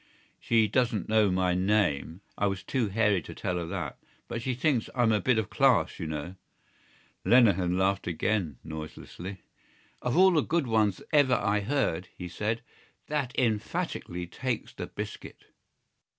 She doesn't know my name. I was too hairy to tell her that. But she thinks I'm a bit of class, you know." Lenehan laughed again, noiselessly. "Of all the good ones ever I heard," he said, "that emphatically takes the biscuit."